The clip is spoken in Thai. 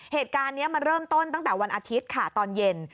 เหตุการณ์นี้มันเริ่มต้นตั้งแต่วันอาทิตย์ค่ะตอนเย็น